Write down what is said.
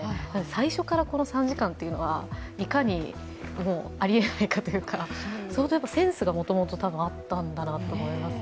最初から、この３時間というのはいかにありえないかというか、相当センスがもともとあったんだなと思います。